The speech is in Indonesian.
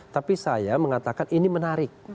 tapi saya mengatakan ini menarik